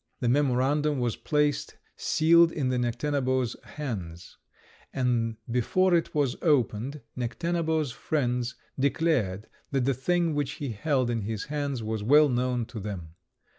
The memorandum was placed sealed in Necténabo's hands; and before it was opened Necténabo's friends declared that the thing which he held in his hands was well known to them.